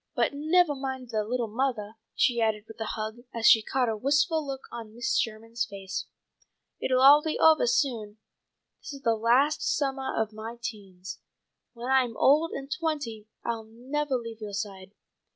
But nevah mind, little mothah," she added with a hug, as she caught a wistful look on Mrs. Sherman's face. "It'll all be ovah soon. This is the last summah of my teens. When I am old and twenty I'll nevah leave yoah side.